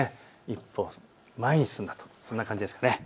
一歩前に進んだと、そんな感じですかね。